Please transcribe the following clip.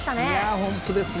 本当ですね。